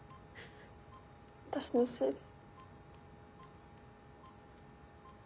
私のせいで。